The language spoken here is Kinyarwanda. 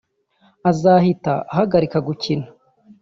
azahita ahagarika gukina